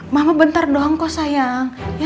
mama bentar dong kok sayang